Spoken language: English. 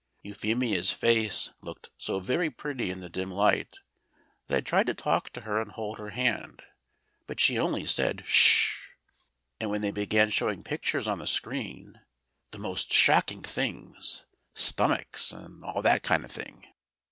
Euphemia's face looked so very pretty in the dim light that I tried to talk to her and hold her hand, but she only said "Ssh!" And then they began showing pictures on the screen the most shocking things! stomachs, and all that kind of thing.